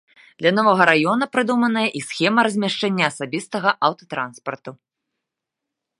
Для новага раёна прадуманая і схема размяшчэння асабістага аўтатранспарту.